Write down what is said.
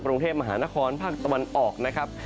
กรุงเทพมหานครภาคตะวันออกนะครับ